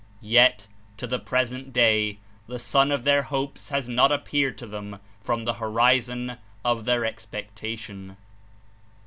Yet, to the present day, the Sun of their hopes has not appeared to them 'from the horizon of their expectation.